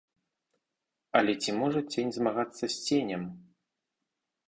Але ці можа цень змагацца з ценем?